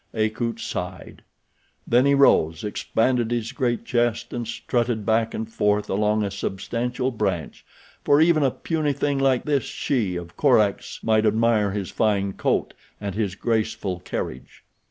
Akut sighed. Then he rose, expanded his great chest and strutted back and forth along a substantial branch, for even a puny thing like this she of Korak's might admire his fine coat and his graceful carriage.